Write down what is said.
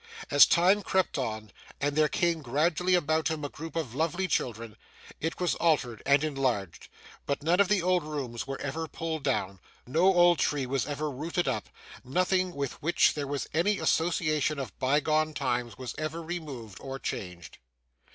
As time crept on, and there came gradually about him a group of lovely children, it was altered and enlarged; but none of the old rooms were ever pulled down, no old tree was ever rooted up, nothing with which there was any association of bygone times was ever removed or changed.